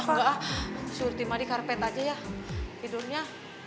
ah enggak surti mandi karpet aja ya tidurnya